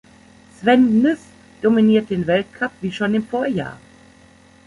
Sven Nys dominiert den Weltcup wie schon im Vorjahr.